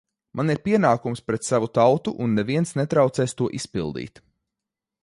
Man ir pienākums pret savu tautu, un neviens netraucēs to izpildīt!